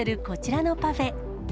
こちらのパフェ。